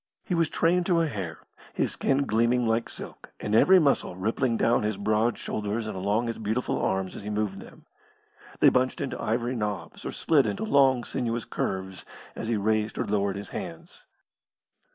He was trained to a hair, his skin gleaming like silk, and every muscle rippling down his broad shoulders and along his beautiful arms as he moved them. They bunched into ivory knobs, or slid into long, sinuous curves, as he raised or lowered his hands.